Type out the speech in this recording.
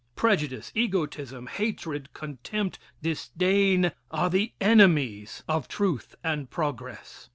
Prejudice, egotism, hatred, contempt, disdain, are the enemies of truth and progress.